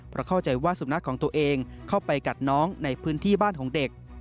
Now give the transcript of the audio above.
เพราะเข้าใจว่าสุนัขของตัวเองเข้าไปกัดน้องในพื้นที่บ้านของเด็ก